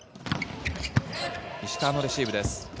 石川のレシーブです。